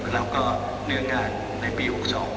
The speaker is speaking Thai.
แล้วก็เนื้องานในปี๖๒